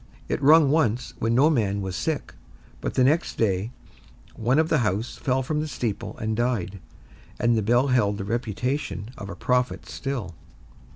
It rung once when no man was sick, but the next day one of the house fell from the steeple and died, and the bell held the reputation of a prophet still.